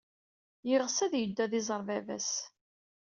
Yeɣs ad yeddu ad iẓer baba-s.